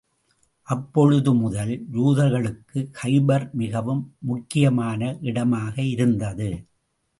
அப்பொழுது முதல், யூதர்களுக்கு கைபர் மிகவும் முக்கியமான இடமாக இருந்தது.